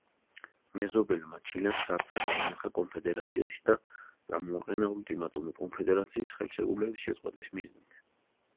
მეზობელმა ჩილემ საფრთხე დაინახა კონფედერაციაში და წამოაყენა ულტიმატუმი კონფედერაციის ხელშეკრულების შეწყვეტის მიზნით.